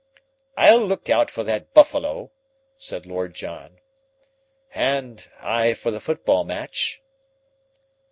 "I'll look out for that buffalo," said Lord John. "And I for the football match."